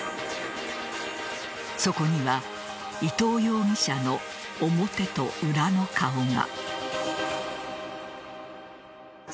そこには伊藤容疑者の表と裏の顔が。